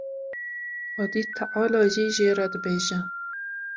Xwedî Teala jî jê re dibêje.